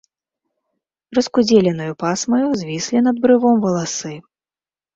Раскудзеленаю пасмаю звіслі над брывом валасы.